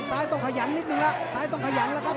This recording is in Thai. ชายต้องขยันนิดนึงนะชายต้องขยันล่ะครับ